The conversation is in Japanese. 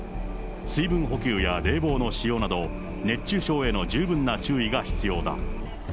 水分補給や冷房の使用など、熱中症への十分な注意が必要だ。